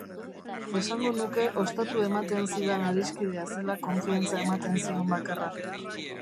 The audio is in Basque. Esango nuke ostatu ematen zidan adiskidea zela konfiantza ematen zion bakarra.